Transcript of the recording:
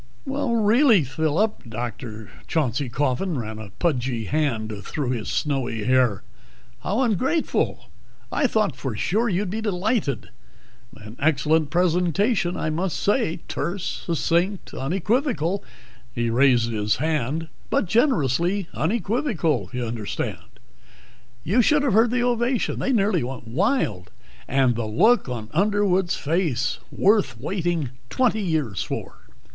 "Really, Phillip!" Dr. Chauncey Coffin ran a pudgy hand through his snowy hair. "How ungrateful! I thought for sure you'd be delighted. An excellent presentation, I must say terse, succinct, unequivocal " he raised his hand "but generously unequivocal, you understand. You should have heard the ovation they nearly went wild! And the look on Underwood's face! Worth waiting twenty years for."